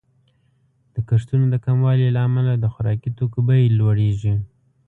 د کښتونو د کموالي له امله د خوراکي توکو بیې لوړیږي.